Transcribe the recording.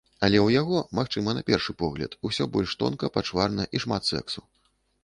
Але ў яго, магчыма, на першы погляд, усё больш тонка, пачварна і шмат сэксу.